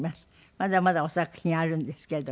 まだまだお作品あるんですけれども。